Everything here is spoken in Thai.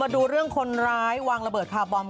ดูเรื่องคนร้ายวางระเบิดคาร์บอม